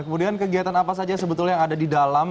kemudian kegiatan apa saja sebetulnya yang ada di dalam